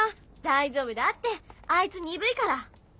大丈夫だってあいつにぶいから。